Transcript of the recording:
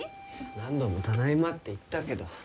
何度もただいまって言ったけど。